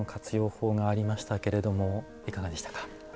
法がありましたけれどもいかがでしたか？